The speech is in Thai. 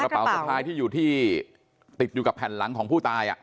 กระเป๋าสะพายที่อยู่ที่ติดอยู่กับแผ่นหลังของผู้ตาย